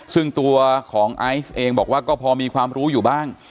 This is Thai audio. ซึ่งตัวของไอซ์เองบอกว่าก็พอมีความรู้อยู่บ้าง